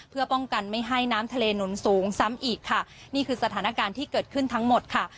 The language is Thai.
เพื่อป้องกันไม่ให้น้ำทะเลหนุนสูงซ้ำอีกค่ะนี่คือสถานการณ์ที่เกิดขึ้นทั้งหมดค่ะ